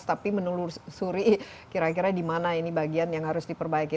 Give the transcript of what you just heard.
tapi menelusuri kira kira di mana ini bagian yang harus diperbaiki